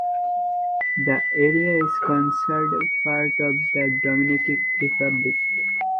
This area is considered part of the Dominican Republic.